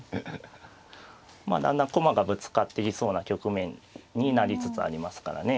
まあだんだん駒がぶつかっていきそうな局面になりつつありますからね。